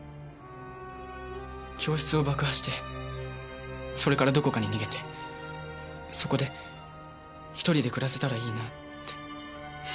教室を爆破してそれからどこかに逃げてそこで１人で暮らせたらいいなぁって。